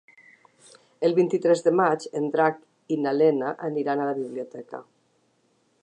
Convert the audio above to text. El vint-i-tres de maig en Drac i na Lena aniran a la biblioteca.